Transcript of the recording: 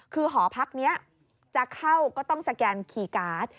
คือหอพักนี้จะเข้าก็ต้องสแกนคีย์การ์ด